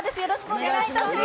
お願いします。